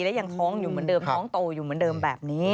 และยังท้องอยู่เหมือนเดิมท้องโตอยู่เหมือนเดิมแบบนี้